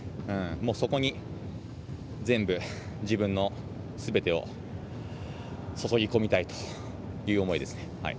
そこに全部、自分のすべてを注ぎ込みたいという思いですね。